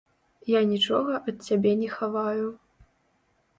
Я нічога ад цябе не хаваю.